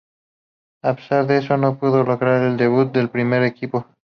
A pesar de eso, no pudo lograr el debut en el primer equipo.